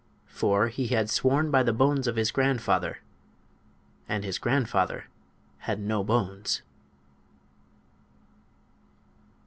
For he had sworn by the bones of his grandfather; and his grandfather had no bones.